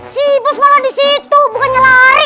si bos malah disitu bukannya lari